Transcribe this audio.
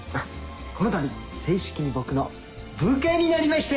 このたび正式に僕の部下になりました。